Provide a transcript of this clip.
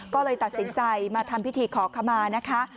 ก็เลยตัดสินใจมาทำพิธีขอขมานะคะ